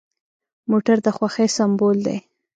موټر د خوښۍ سمبول دی.